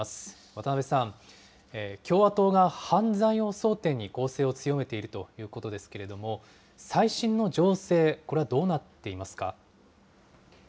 渡辺さん、共和党が犯罪を争点に攻勢を強めているということですけれども、最新の情勢、これはどうなっていますか。